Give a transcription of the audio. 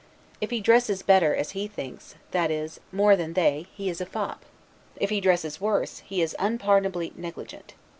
If he dresses better, as he thinks, that is, more than they, he is a fop; if he dresses worse, he is unpardonably negligent.